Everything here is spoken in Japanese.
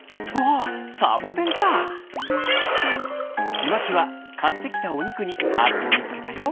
ちまきはかってきたおにくにハートをみつけたよ。